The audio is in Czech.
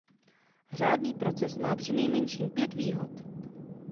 Řádný proces má přinejmenším pět výhod.